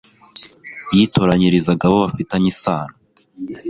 yitoranyirizaga abo bafitanye isano